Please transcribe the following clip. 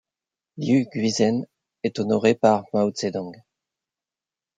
Liu Guizhen est honoré par Mao Zedong.